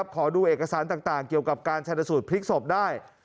ขอดูเอกสารต่างเกี่ยวกับการชนสูตรพลิกศพได้